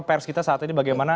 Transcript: pers kita saat ini bagaimana